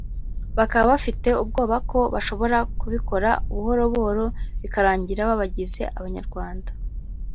bakaba bafite ubwoba ko bashobora kubikora buhoro buhoro bikarangira babagize Abanyarwanda